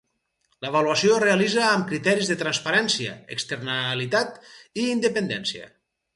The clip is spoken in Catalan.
L'avaluació es realitza amb criteris de transparència, externalitat i independència.